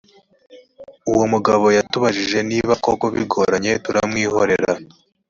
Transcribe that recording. uwo mugabo yatubajije nibakoko bigoranye turamwihorera.